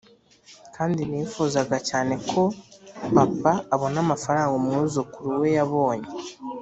kandi nifuzaga cyane ko papa abona amafaranga umwuzukuru we yabonye.